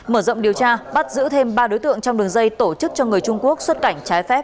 mở rộng điều tra bắt giữ thêm ba đối tượng trong đường dây tổ chức cho người trung quốc xuất cảnh trái phép